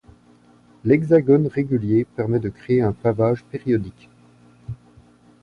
L'hexagone régulier permet de créer un pavage périodique.